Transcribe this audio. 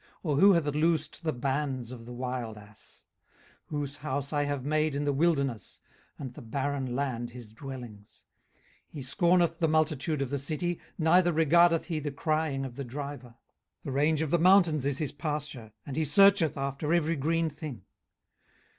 or who hath loosed the bands of the wild ass? 18:039:006 Whose house I have made the wilderness, and the barren land his dwellings. 18:039:007 He scorneth the multitude of the city, neither regardeth he the crying of the driver. 18:039:008 The range of the mountains is his pasture, and he searcheth after every green thing.